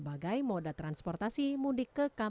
ya gimana lagi anak pengen ikut aja